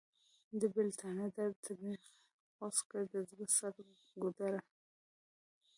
د بیلتانه درد ترېنه غوڅ کړ د زړه سر ګودره!